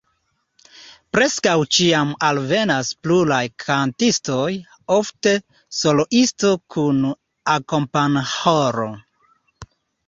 Preskaŭ ĉiam alvenas pluraj kantistoj, ofte soloisto kun akompanĥoro.